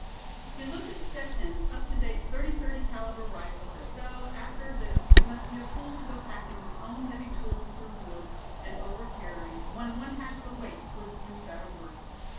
He looked at Step Hen's up to date thirty thirty calibre rifle as though after this he must be a fool to go packing his own heavy tool through woods, and over carries, when one half the weight would do better work.